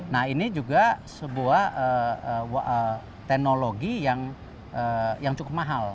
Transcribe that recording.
nah ini juga sebuah teknologi yang cukup mahal